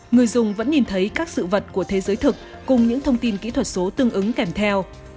người dùng vẫn nhìn thấy các sự vật của thế giới thực cùng những thông tin kỹ thuật số tương ứng kèm theo